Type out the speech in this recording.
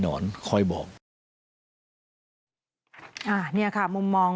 คิดว่าไม่นานคงจับตัวได้แล้วก็จะต้องเค้นไปถามตำรวจที่เกี่ยวข้อง